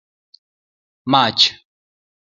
mach